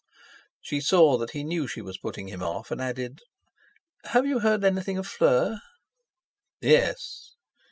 She saw that he knew she was putting him off, and added: "Have you heard anything of Fleur?" "Yes."